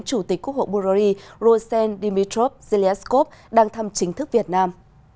chủ tịch quốc hộ bulgari rosen dimitrov zelenskov đang thăm chính thức việt nam